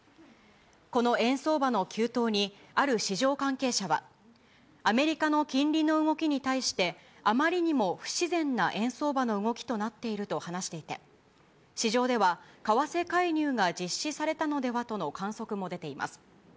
この円相場の急騰に、ある市場関係者は、アメリカの金利の動きに対して、あまりにも不自然な円相場の動きとなっていると話していて、市場では為替介入が実施されたのではとの観測も出ています。